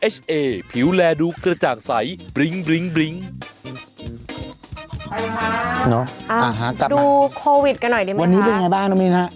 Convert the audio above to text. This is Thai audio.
ไปเลยค่ะน้องอ่ะฮะกลับมาวันนี้เป็นยังไงบ้างน้องมีนครับ